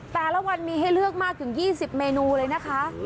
แต่ละวันมีให้เลือกมากถึง๒๐เมนูเลยนะคะ